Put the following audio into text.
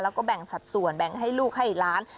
แล้วก็แบ่งสัดส่วนแบ่งให้ลูกให้ล้าน